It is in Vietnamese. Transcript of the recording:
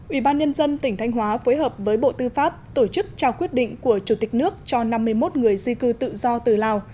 ủy ban nhân dân tỉnh thanh hóa phối hợp với bộ tư pháp tổ chức trao quyết định của chủ tịch nước cho năm mươi một người di cư tự do từ lào